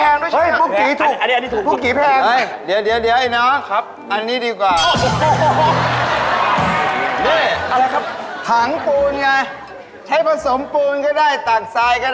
เอาตัวกรุง